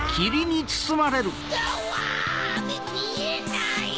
みえない。